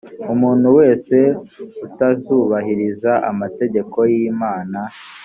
umuntu wese utazubahiriza amategeko y imana